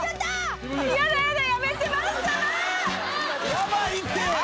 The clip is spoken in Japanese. ヤバいて。